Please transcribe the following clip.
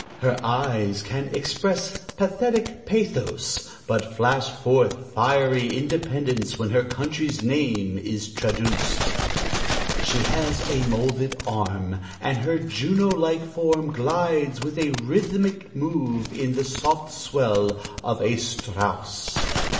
"Her eyes can express pathetic pathos, but flash forth fiery independence when her country's name is traduced." ... "She has a molded arm, and her Juno like form glides with a rhythmic move in the soft swell of a Strauss." ...